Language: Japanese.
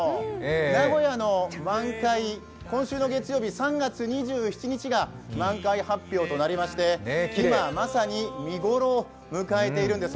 名古屋の満開、今週の月曜日、３月２７日が満開発表となりまして、今、まさに見ごろを迎えているんです。